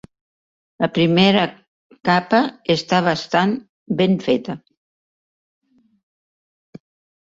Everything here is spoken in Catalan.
La primera capa està bastant ben feta.